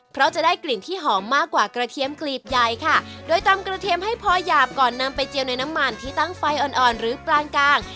เพราะจะได้กลิ่นที่หอมมากกว่ากระเทียมกลีบใหญ่ค่ะโดยตำกระเทียมให้พอหยาบก่อนนำไปเจียวในน้ำมันที่ตั้งไฟอ่อนอ่อนหรือปลานกลาง